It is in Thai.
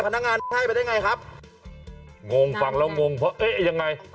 พนักงานให้ไปได้ไงครับงงฟังแล้วงงเพราะเอ๊ะยังไง